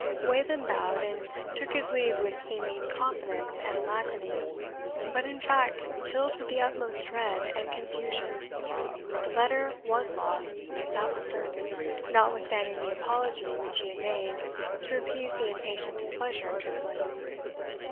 Wayland bowed, and took his leave with seeming confidence and alacrity, but, in fact, filled with the utmost dread and confusion. The letter was lost, that was certain, notwithstanding the apology which he had made to appease the impatient displeasure of Tressilian.